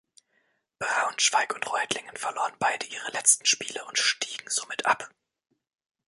Braunschweig und Reutlingen verloren beide ihre letzten Spiele und stiegen somit ab.